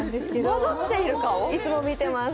いつも見てます。